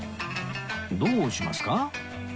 どうしますか？